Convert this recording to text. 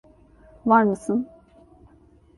Var mısın?